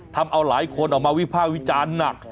ทำเอาหลายคนออกมาวิภาควิจารณ์หนัก